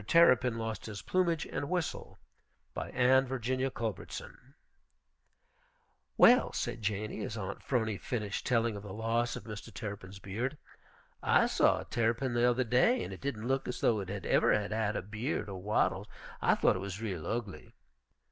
TERRAPIN LOST HIS PLUMAGE AND WHISTLE BY ANNE VIRGINIA CULBERTSON "Well," said Janey, as Aunt 'Phrony finished telling of the loss of Mr. Terrapin's beard, "I saw a terrapin the other day, and it didn't look as though it ever had had a beard or wattles. I thought it was real ugly."